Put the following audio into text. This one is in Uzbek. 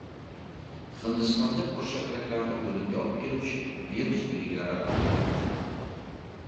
Hindistonda ko‘rshapalaklarda o‘limga olib keluvchi virus belgilari aniqlandi